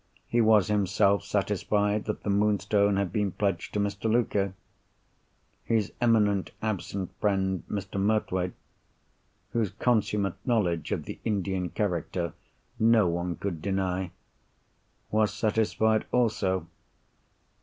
He was himself satisfied that the Moonstone had been pledged to Mr. Luker. His eminent absent friend, Mr. Murthwaite (whose consummate knowledge of the Indian character no one could deny), was satisfied also.